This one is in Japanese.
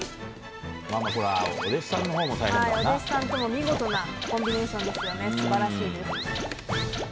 お弟子さんとも見事なコンビネーションですよね。